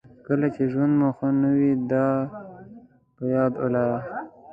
کله چې ژوند مو ښه نه وي دا په یاد ولرئ.